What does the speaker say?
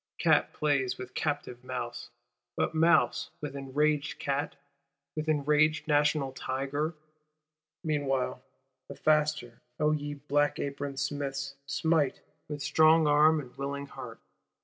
Cat plays with captive mouse: but mouse with enraged cat, with enraged National Tiger? Meanwhile, the faster, O ye black aproned Smiths, smite; with strong arm and willing heart.